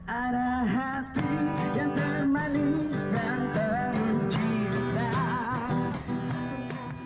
ada hati yang termanis dan tercipta